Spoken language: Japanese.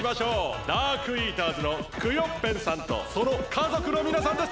ダークイーターズのクヨッペンさんとその家族のみなさんです。